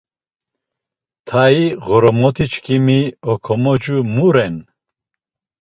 Tai ğormotiçkimi, okomocu mu ren!